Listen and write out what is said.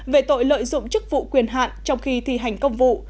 về tội lợi dụng chức vụ quyền hạn trong khi thi hành công vụ